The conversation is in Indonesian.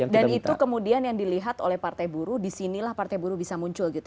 dan itu kemudian yang dilihat oleh partai buruh disinilah partai buruh bisa muncul